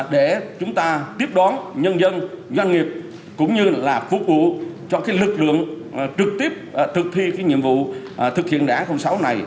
để chúng ta tiếp đón nhân dân doanh nghiệp cũng như là phục vụ cho cái lực lượng trực tiếp thực thi cái nhiệm vụ thực hiện đề án sáu này